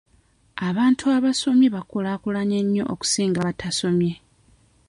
Abantu abasomye bakulaakulanye nnyo okusinga abatasomye.